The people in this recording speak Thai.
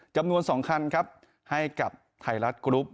จำนวน๒คันครับให้กับไทยรัฐกรุ๊ป